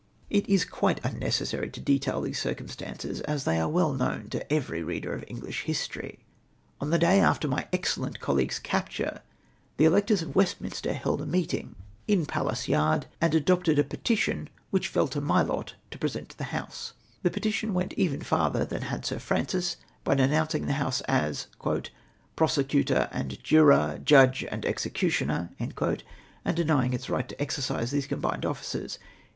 It is quite unnecessary to detail these circumstances, as they are Aveh knoAvn to every reader of English history. On the day after my excellent colleague's capture the electors of Westminster held a meeting in 140 rETITIOiXS FOR HIS LIBERATIOX INTRUSTED TO ME. Palace Yard, and adopted a petition wliicli fell to my lot to present to the Honse. The petition went e\'en farther than had Sir Francis, l)y denouncing the House as " prosecutor and juror, judge and executioner," find denying its right to exer cise these combined offices.